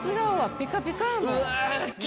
ピカピカやもん。